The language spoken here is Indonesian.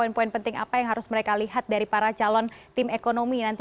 kemudian juga ada saham saham perbankan ini mau jadi sebagai